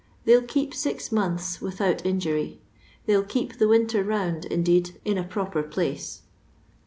They'll keep six months without injury; they'll keep the winter round indeed in a proper place."